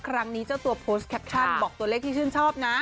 ครั้งนี้เจ้าตัวโพสต์แคปชั่นบอกตัวเลขที่ชื่นชอบนะ